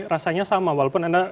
rasanya sama walaupun anda